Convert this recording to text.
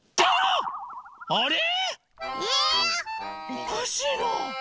おかしいな。